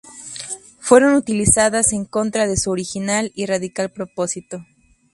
Fueron utilizadas en contra de su original y radical propósito.